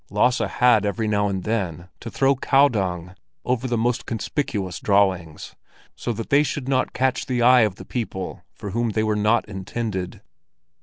Lasse had every now and then to throw cow dung over the most conspicuous drawings, so that they should not catch the eye of people for whom they were not intended.